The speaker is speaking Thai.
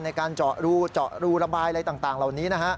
ในการเจาะรูระบายอะไรต่างเหล่านี้